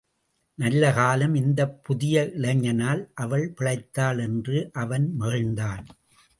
நல்ல காலம் இந்தப் புதிய இளைஞனால் அவள் பிழைத்தாள் என்று அவன் மகிழ்ந்தான்.